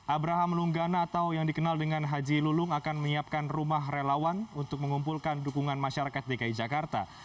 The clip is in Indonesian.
abraham lunggana atau yang dikenal dengan haji lulung akan menyiapkan rumah relawan untuk mengumpulkan dukungan masyarakat dki jakarta